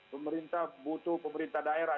pemerintah butuh pemerintah daerah